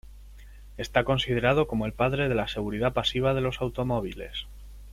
Está considerado como el padre de la seguridad pasiva de los automóviles.